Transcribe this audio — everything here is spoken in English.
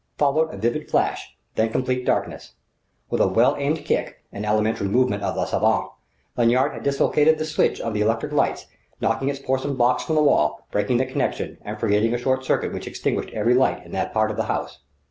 Followed a vivid flash, then complete darkness: with a well aimed kick an elementary movement of la savate Lanyard had dislocated the switch of the electric lights, knocking its porcelain box from the wall, breaking the connection, and creating a short circuit which extinguished every light in that part of the house.